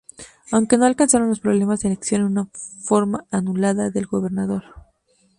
Aunque no alcanzaron los problemas de elección en una forma anulada del gobernador.